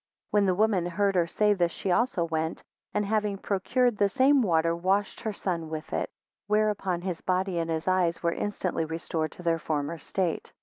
10 When the woman heard her say this, she also went, and having procured the same water, washed her son with it, whereupon his body and his eyes were instantly restored to their former state.